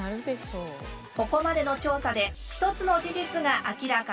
ここまでの調査で一つの事実が明らかに。